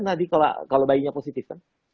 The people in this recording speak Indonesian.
nadie kalau bayinya positif kan